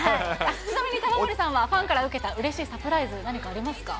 ちなみに玉森さんは、ファンから受けたうれしいサプライズ、何かありますか。